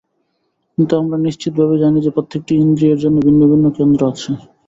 কিন্তু আমরা নিশ্চিতভাবে জানি যে, প্রত্যেকটি ইন্দ্রিয়ের জন্য ভিন্ন ভিন্ন কেন্দ্র আছে।